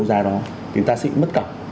thì người ta sẽ mất cọc